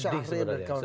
saya sedih sebenarnya